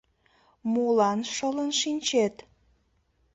Молан шылын шинчет!